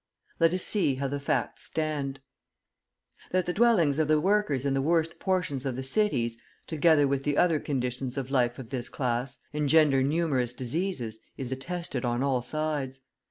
Let us see how the facts stand. That the dwellings of the workers in the worst portions of the cities, together with the other conditions of life of this class, engender numerous diseases, is attested on all sides.